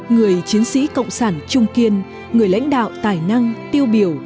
người chiến sĩ cộng sản trung kiên người lãnh đạo tài năng tiêu biểu